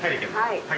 はい。